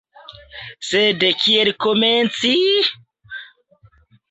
Sed kiel komenci?